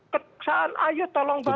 ketuaan ayat tolong bantu saya